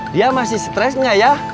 dia masih stres nggak ya